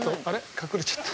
隠れちゃった。